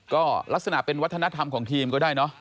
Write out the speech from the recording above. ก็ลักษณะเป็นวัฒนธรรมของทีมก็ได้เนอะ